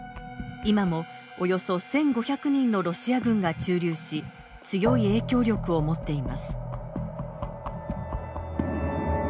今もおよそ１，５００人のロシア軍が駐留し強い影響力を持っています。